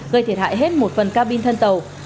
gây thiệt hại hết một phần ca bin thân tàu